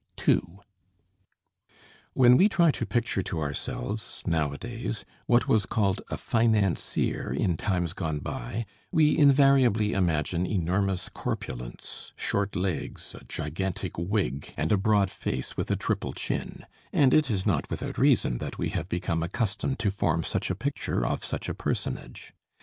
II When we try to picture to ourselves, nowadays, what was called a "financier" in times gone by, we invariably imagine enormous corpulence, short legs, a gigantic wig, and a broad face with a triple chin, and it is not without reason that we have become accustomed to form such a picture of such a personage.